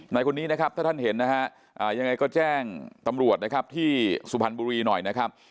ในคนนี้นะครับถ้าท่านเห็นนะฮะยังไงก็แจ้งตำรวจนะครับที่สุพรรณบุรีหน่อยนะครับ